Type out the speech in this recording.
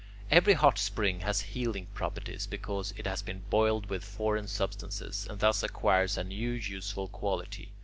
Every hot spring has healing properties because it has been boiled with foreign substances, and thus acquires a new useful quality.